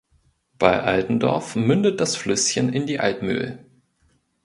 Bei Altendorf mündet das Flüsschen in die Altmühl.